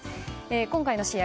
今回の試合